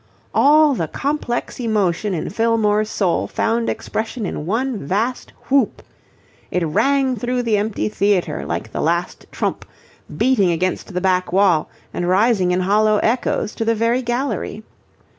All the complex emotion in Fillmore's soul found expression in one vast whoop. It rang through the empty theatre like the last trump, beating against the back wall and rising in hollow echoes to the very gallery.